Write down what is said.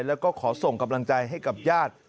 แล้วก็ขอส่งกำลังใจให้กับญาติ